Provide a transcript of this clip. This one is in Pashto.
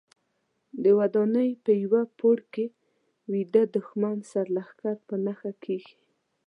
د ودانۍ په یوه پوړ کې ویده دوښمن سرلښکر په نښه کېږي.